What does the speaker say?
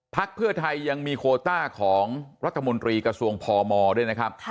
เพื่อไทยยังมีโคต้าของรัฐมนตรีกระทรวงพมด้วยนะครับ